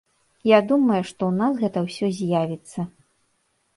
Я думаю, што ў нас гэта ўсё з'явіцца.